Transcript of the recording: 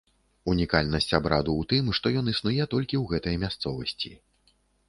Унікальнасць абраду ў тым, што ён існуе толькі ў гэтай мясцовасці.